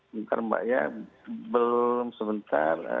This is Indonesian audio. sebentar mbak ya belum sebentar